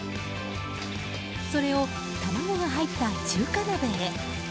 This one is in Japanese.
それを卵が入った中華鍋へ。